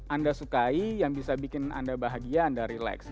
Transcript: anda sukai yang bisa bikin anda bahagia anda relax